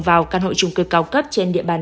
vào căn hội chung cư cao cấp trên địa bàn